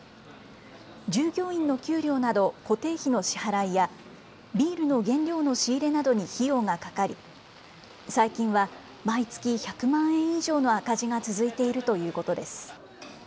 従業員の給料など固定費の支払いやビールの原料の仕入れなどに費用がかかり最近は毎月１００万円以上の赤字が続いているということです。